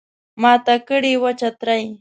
ماته کړي وه چترۍ